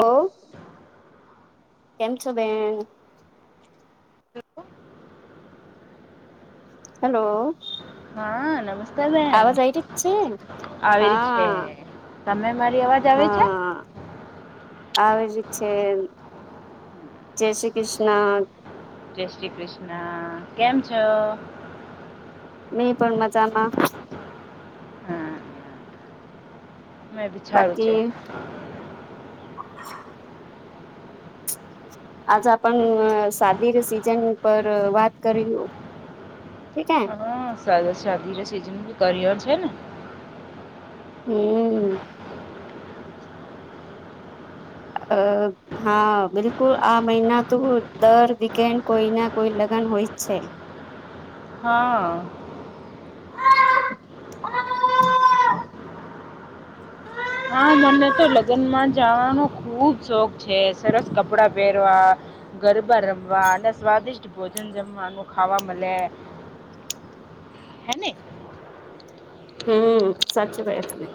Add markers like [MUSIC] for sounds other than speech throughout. ઓ, કેમ છો બેેન. હેલો હા, નમસ્તે બેન. આવી રહી છે આવી ર છે હા તમે મારી અવાજ આવી છે? આવે જ છે. જય શ્રી કૃષ્ણ. જય શ્રી કૃષ્ણ, કેમ છો? મેં પણ મજામાં. હા મેં બી છારું છે. બાકી [UNINTELLIGIBLE] આજે આપણ સાદી રી સિઝન પર વાત કરીયું? ઠીકે. હ સા શાદી રે સિજન બી કરિયર છે ને. હમ. અ હા, બિલકુલ. આ મહિના તો દર વીકેન્ડ કોઈ ના કોઈ લગ ન હોય જ છે. હા. હા, મને તો લગનમાં જવાનો ખુબ શોખ છે. સરસ કપડા પહેરવા ગરબા રમવા અને સ્વાદિષ્ટ ભોજન જમવાનું ખાવા મલે. હેને? હમ સાચી [UNINTELLIGIBLE] તને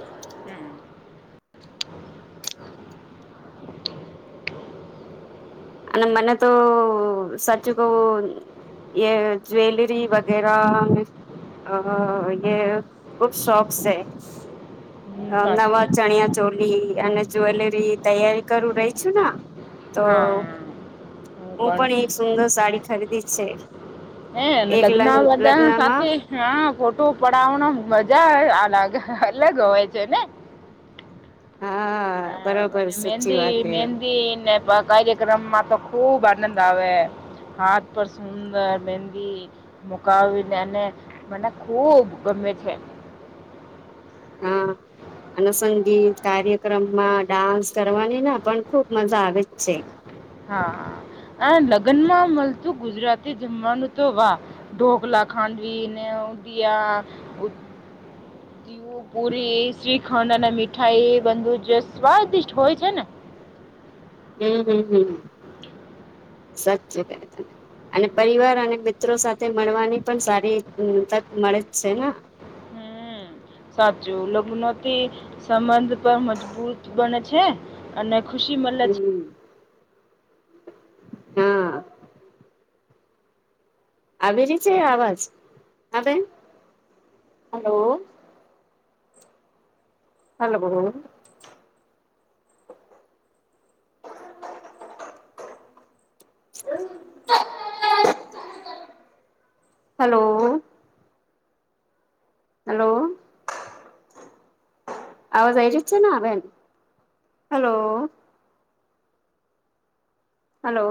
અને મને તો સાચું કું એ જ્વેલરી વગેરા અ ખુબ શોખ છે હમ અ સાચી નવા ચણિયા ચોલ અને જ્વેલરી તૈયારી કરું રહી છું ને તો હા હું પણ એક સુંદર સાડી ખરીદી છે હે અને એક લગ લગ્ન બધા સાથે લગ્નમાં હા ફોટો પડાવવાનો મજા આવે લગ અલગ હોય છે ને હા બરોબર અને સાચી મહેંદી વાત એ મહેંદીને કાર્યક્રમમાં તો ખુબ આનંદ આવે હાથ પર સુંદર મંદી મુકાવીને અને મને ખુબ ગમે મઠે હા અને સંગીત કાર્યક્રમમાં ડાન્સ કરવાની ના પણ ખુબ મજા આવે જ છે હા આ લગ્ન માં મળતું ગુજરાતી જમવાનું તો વાહ ઢોક લાગ ખાંડવીી ને ઉઊડયા તીવું પુરી શ્રીખંડ અને મીઠાઈ એ બું જ સ્વાદિષ હોય છે ને હમ હ સાચચી ક ત અને પરિવાર અને મિત્રો સાથે મળવાની પણ સારી તક મળે જ છે ને [INAUDIBLE] હમ સાચું લગ્નોથી સંબંધ પર મજબૂત બને છે અને ખુશી મલ છે હમ હા આવીભિ રી છે અવાજ હ હલો હલો. [UNINTELLIGIBLE] હેલો. હેલો. આવાજ આવી જ છેને હન. Hello hello.